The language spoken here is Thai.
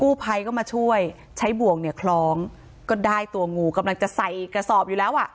ผู้ภัยก็มาช่วยใช้บ่วงเนี่ยคล้องก็ได้ตัวงูกำลังจะใส่กระสอบอยู่แล้วอ่ะ